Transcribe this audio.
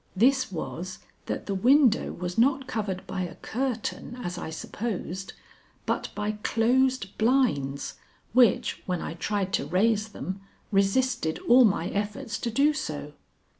This was, that the window was not covered by a curtain as I supposed, but by closed blinds which when I tried to raise them resisted all my efforts to do so.